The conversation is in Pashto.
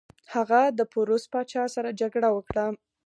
هغه د پوروس پاچا سره جګړه وکړه.